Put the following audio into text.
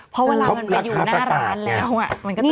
เพราะว่าเวลามันไปอยู่หน้าร้านแล้วมันก็จะเป็นพิธี